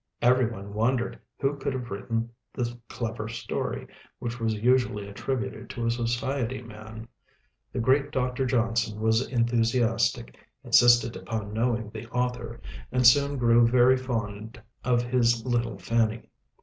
Every one wondered who could have written the clever story, which was usually attributed to a society man. The great Dr. Johnson was enthusiastic, insisted upon knowing the author, and soon grew very fond of his little Fanny.